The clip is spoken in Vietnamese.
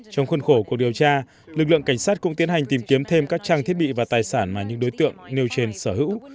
trong khuôn khổ cuộc điều tra lực lượng cảnh sát cũng tiến hành tìm kiếm thêm các trang thiết bị và tài sản mà những đối tượng nêu trên sở hữu